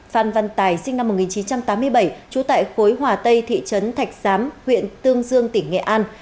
phan văn tài sinh năm một nghìn chín trăm tám mươi bảy trú tại khối hòa tây thị trấn thạch xám huyện tương dương tỉnh nghệ an